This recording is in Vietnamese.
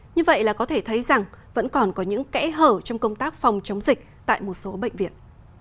như vậy là có thể thấy rằng vẫn còn có những kẽ hở trong công tác phòng chống dịch tại một số bệnh viện